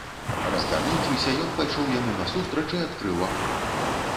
Разгарнуўшыся, ён пайшоў яму насустрач і адкрыў агонь.